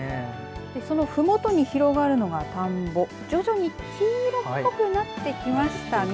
そのふもとに広がるのは田んぼ徐々に黄色っぽくなってきましたね。